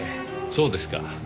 そうですか。